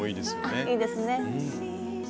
あいいですね。